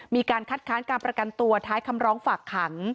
มีการคัดค้านการประกันตัวท้ายคำร้องฝากขัง